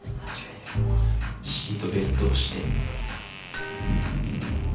シートベルトをして。